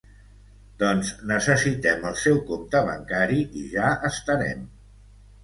Doncs necessitem el seu compte bancari i ja estarem.